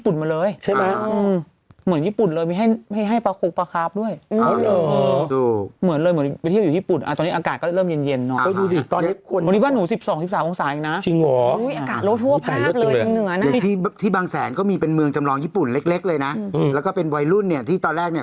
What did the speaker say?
ดูแบบนี้เขาใช้บ้านเขาเองอะแล้วก็คือเออ